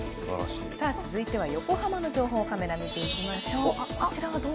続いては横浜の情報カメラ見ていきましょう。